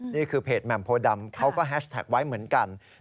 นี่คือเพจแหม่มโพดำเขาก็แฮชแท็กไว้เหมือนกัน